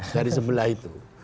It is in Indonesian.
dari sebelah itu